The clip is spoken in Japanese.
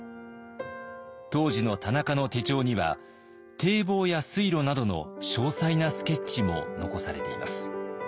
当時の田中の手帳には堤防や水路などの詳細なスケッチも残されています。